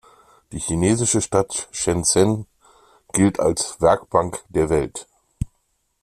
Die chinesische Stadt Shenzhen gilt als „Werkbank der Welt“.